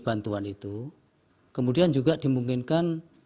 bantuan itu kemudian juga dimungkinkan